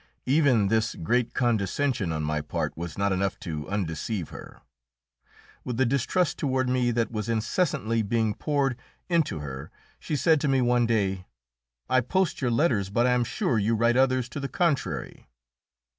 Even this great condescension on my part was not enough to undeceive her. With the distrust toward me that was incessantly being poured into her, she said to me one day, "I post your letters, but I am sure you write others to the contrary."